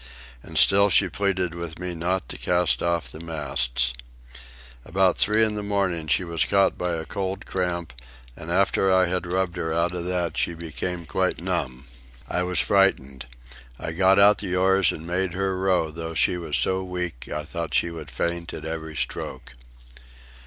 And still she pleaded with me not to cast off the masts. About three in the morning she was caught by a cold cramp, and after I had rubbed her out of that she became quite numb. I was frightened. I got out the oars and made her row, though she was so weak I thought she would faint at every stroke.